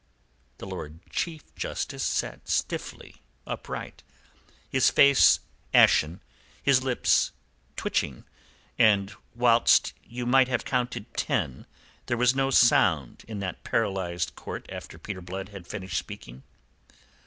The Lord Chief Justice sat stiffly upright, his face ashen, his lips twitching, and whilst you might have counted ten there was no sound in that paralyzed court after Peter Blood had finished speaking.